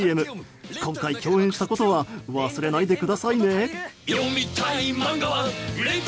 今回、共演したことは忘れないでくださいね。